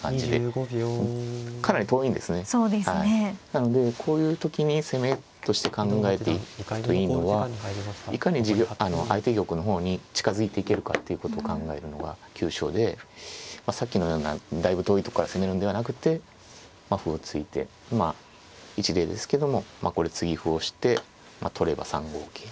なのでこういう時に攻めとして考えていくといいのはいかに相手玉の方に近づいていけるかっていうことを考えるのが急所でさっきのようなだいぶ遠いとこから攻めるんではなくて歩を突いてまあ一例ですけどもこれ継ぎ歩をして取れば３五桂。